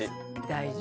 大事。